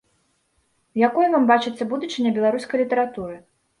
Якой вам бачыцца будучыня беларускай літаратуры?